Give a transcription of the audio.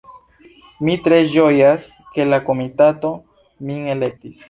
Mi tre ĝojas, ke la komitato min elektis.